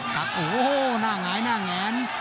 หน้าหงายหน้าแหง